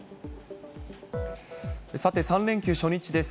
さて３連休初日です。